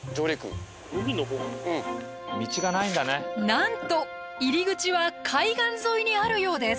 なんと入り口は海岸沿いにあるようです。